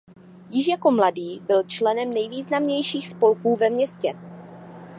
Již jako mladý byl členem nejvýznamnějších spolků ve městě.